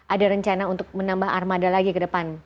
ada rencana untuk menambah armada lagi ke depan